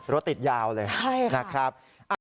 รถติดยาวเลยนะครับ